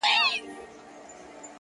غنمرنگو کي سوالگري پيدا کيږي.